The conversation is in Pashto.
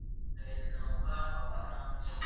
که په ښار کې خوراک ځایونه ډېر سي.